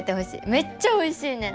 めっちゃおいしいねん！